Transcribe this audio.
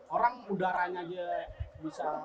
orang udaranya saja bisa